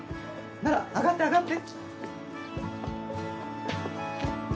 なら上がって上がって。